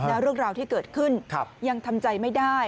แล้วเรื่องราวที่เกิดขึ้นยังทำใจไม่ได้